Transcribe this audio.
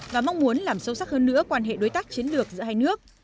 và mong muốn làm sâu sắc hơn nữa quan hệ đối tác chiến lược giữa hai nước